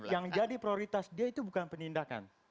yang jadi prioritas dia itu bukan penindakan